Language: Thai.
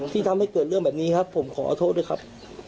ที่ทำให้เกิดเรื่องแบบนี้ครับผมขอโทษด้วยครับ